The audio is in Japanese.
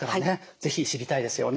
是非知りたいですよね。